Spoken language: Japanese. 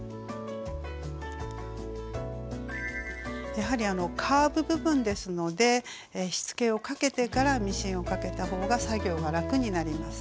やはりカーブ部分ですのでしつけをかけてからミシンをかけた方が作業が楽になります。